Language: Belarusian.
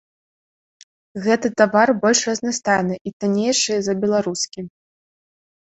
Гэты тавар больш разнастайны і таннейшы за беларускі.